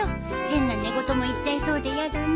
変な寝言も言っちゃいそうでやだな。